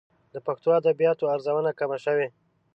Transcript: د پښتو ادبياتو ارزونه کمه شوې.